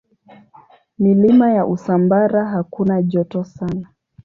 Milima ya Usambara hakuna joto sana.